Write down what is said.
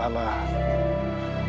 ya allah subhanahu wa ta'ala